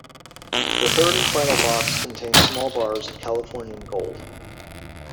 The third and final box contained small bars of Californian gold.